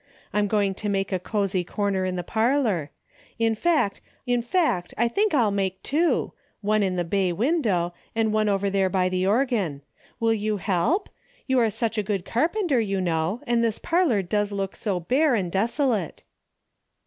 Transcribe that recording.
I'm going to make a cozy corner in the parlor. In fact, I think I'll make two, one in the bay , window and one over there by the organ. Will you help? You're such a good carpenter, you know, and this parlor does look so bare and desolate.